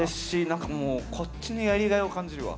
何かもうこっちのやりがいを感じるわ。